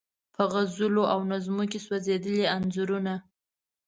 په غزلو او نظمو کې سولیدلي انځورونه